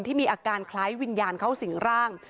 มีอาการคล้ายวิญญาณเข้าสิ่งร่าง